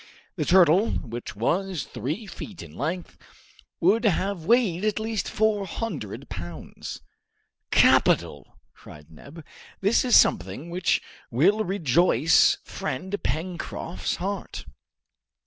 The turtle, which was three feet in length, would have weighed at least four hundred pounds. "Capital!" cried Neb; "this is something which will rejoice friend Pencroft's heart."